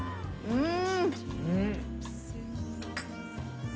うん！